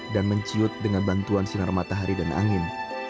dan menciut dengan bantuan sinar matahari dan angin